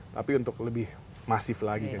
tapi untuk lebih masif lagi kan